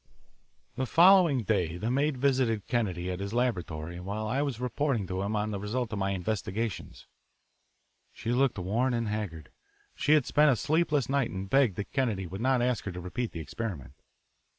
The following day the maid visited Kennedy at his laboratory while I was reporting to him on the result of my investigations. She looked worn and haggard. She had spent a sleepless night and begged that Kennedy would not ask her to repeat the experiment.